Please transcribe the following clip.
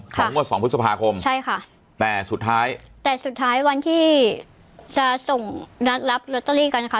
งวดสองพฤษภาคมใช่ค่ะแต่สุดท้ายแต่สุดท้ายวันที่จะส่งนัดรับลอตเตอรี่กันค่ะ